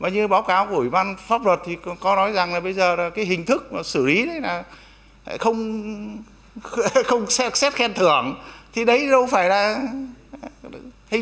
như báo cáo của ủy ban pháp luật thì có nói rằng bây giờ hình thức xử lý này là không xét khen thưởng thì đấy đâu phải là hình thức để xử lý trách nhiệm